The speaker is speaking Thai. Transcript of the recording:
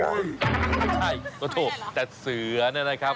ไม่ใช่ก็ถูกแต่เสือนั่นแหละครับ